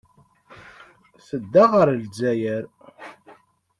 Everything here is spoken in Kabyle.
Tedda ɣer Lezzayer.